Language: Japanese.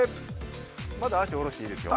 まだ脚をおろしていいですよ。